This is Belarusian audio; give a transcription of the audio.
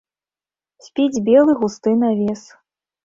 Спіць белы густы навес.